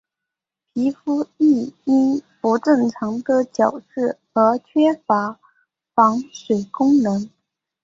皮肤亦因不正常的角质而缺乏防水功能。